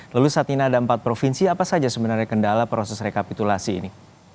lalu saat ini ada empat provinsi apa saja sebenarnya kendala proses rekapitulasi ini